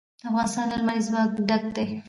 افغانستان له لمریز ځواک ډک دی.